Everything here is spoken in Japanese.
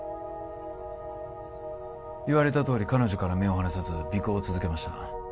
言われたとおり彼女から目を離さず尾行を続けました